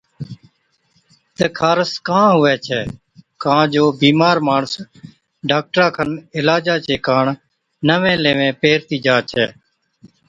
تہ خارس ڪان هُوَي ڇَي، ڪان جو بِيمار ماڻس ڊاڪٽرا کن عِلاجا چي ڪاڻ نَوين ليوين پيهرتِي جا ڇَي،